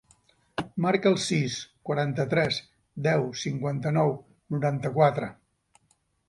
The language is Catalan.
Marca el sis, quaranta-tres, deu, cinquanta-nou, noranta-quatre.